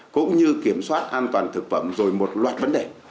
cũng như kiểm soát an toàn thực phẩm rồi một loạt vấn đề